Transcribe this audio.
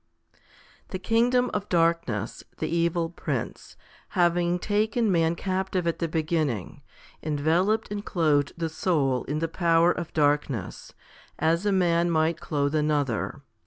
1. THE kingdom of darkness, the evil prince, having taken man captive at the beginning, enveloped and clothed the soul in the power of darkness, as a man might clothe another.